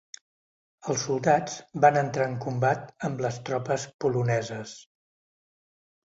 Els soldats van entrar en combat amb les tropes poloneses.